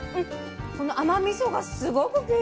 この甘みそがすごくきいてる。